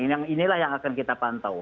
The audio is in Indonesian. nah inilah yang akan kita pantau